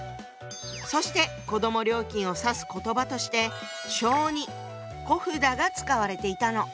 そして子ども料金を指す言葉として小児小札が使われていたの。